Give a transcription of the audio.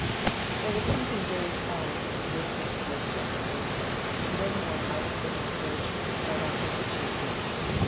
There was something very fine in Lydgate's look just then, and any one might have been encouraged to bet on his achievement.